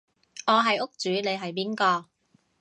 我係屋主你係邊個？